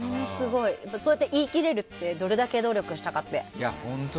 そうやって言い切れるってどれだけ努力したかって。